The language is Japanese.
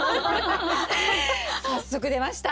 早速出ました。